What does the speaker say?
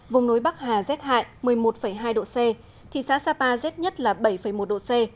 vùng núi bắc hà rét hại một mươi một hai độ c thị xã sapa rét nhất là bảy một độ c